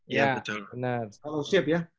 iya bener kalau siap ya